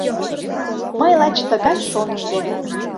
Мый лач тыгай шоныш дене